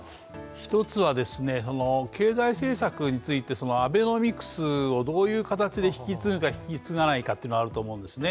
一つは経済政策についてアベノミクスをどういう形で引き継ぐか引き継がないかがあると思います。